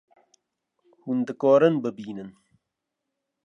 Hûn dikarin bibînin